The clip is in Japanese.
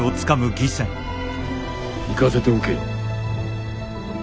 行かせておけ。